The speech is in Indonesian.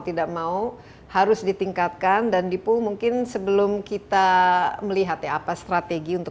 tidak mau harus ditingkatkan dan dipu mungkin sebelum kita melihat ya apa strategi untuk